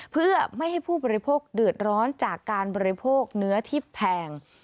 เพื่อไม่ให้ผู้บริโภคเดือดร้อนจากการบริโภคเนื้อที่แพง